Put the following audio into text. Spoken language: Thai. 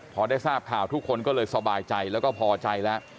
พอได้ทราบข่าวทุกคนก็เลยสบายใจแล้วก็พอใจแล้ว